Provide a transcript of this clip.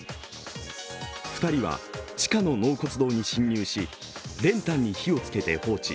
２人は地下の納骨堂に侵入し練炭に火をつけて放置。